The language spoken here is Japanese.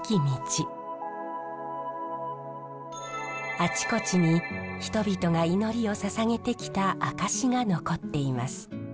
あちこちに人々が祈りをささげてきた証しが残っています。